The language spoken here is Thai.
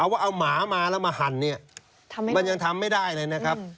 ว่าเอาหมามาแล้วมาหั่นเนี่ยมันยังทำไม่ได้เลยนะครับ